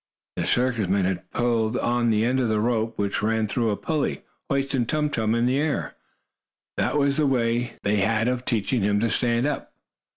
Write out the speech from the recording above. The circus men had pulled on the end of the rope, which ran through a pulley, hoisting Tum Tum in the air. That was the way they had of teaching him to stand up.